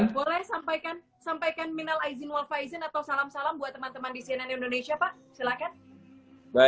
boleh sampaikan minal aizin wal faizin atau salam salam buat teman teman di cnn indonesia pak silakan